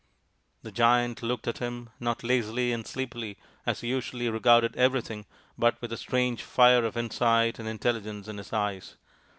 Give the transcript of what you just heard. The Giant looked at him, not lazily and sleepily as he usually regarded everything, but with a strange fire of insight and intelligence in his eyes.